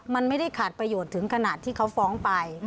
มันไม่ได้ขาดประโยชน์ถึงขนาดที่เขาฟ้องไป